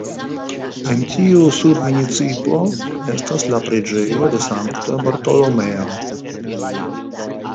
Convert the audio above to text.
En tiu submunicipo estas la preĝejo de Sankta Bartolomeo.